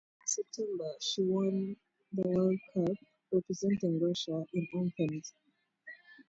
In September she won the World Cup, representing Russia, in Athens.